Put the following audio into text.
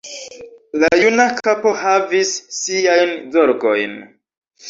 La juna kapo havis siajn zorgojn.